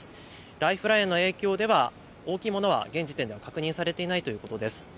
ライフラインへの影響では大きいものは現時点では確認されていないということです。